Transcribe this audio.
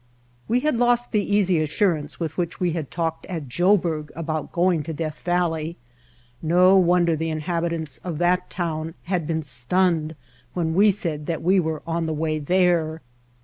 We had lost the easy assurance with which we had talked at Joburg about going to Death Valley. No wonder the inhabitants of that town had been stunned when we said that we were on the way there!